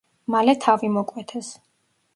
მალე თავი მოკვეთეს.